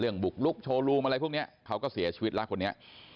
บุกลุกโชว์รูมอะไรพวกนี้เขาก็เสียชีวิตแล้วคนนี้